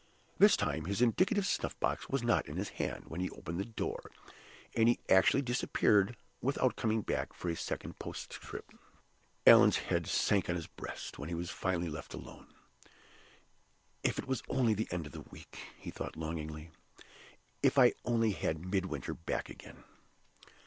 This time his indicative snuff box was not in his hand when he opened the door, and he actually disappeared without coming back for a second postscript. Allan's head sank on his breast when he was left alone. "If it was only the end of the week!" he thought, longingly. "If I only had Midwinter back again!"